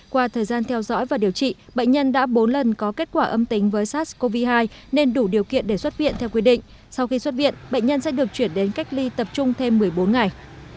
qua thời gian theo dõi và điều trị bệnh nhân đã bốn lần có kết quả âm tính với sars cov hai nên đủ điều kiện để xuất viện theo quy định sau khi xuất viện bệnh nhân sẽ được chuyển đến cách ly tập trung thêm một mươi bốn ngày